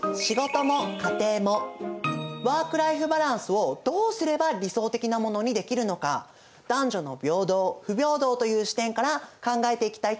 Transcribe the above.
ワーク・ライフ・バランスをどうすれば理想的なものにできるのか男女の平等不平等という視点から考えていきたいと思います。